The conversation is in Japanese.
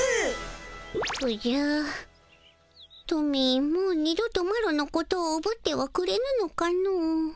おじゃトミーもう二度とマロのことをおぶってはくれぬのかの？